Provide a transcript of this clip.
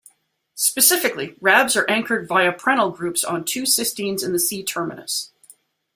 Specifically, Rabs are anchored via prenyl groups on two cysteines in the C-terminus.